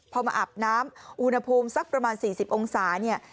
พอมาอาบน้ำอุณหภูมิสักประมาณ๔๐องศาเนี่ย